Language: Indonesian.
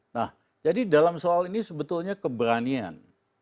nah jadi dalam soal ini sebetulnya keberanian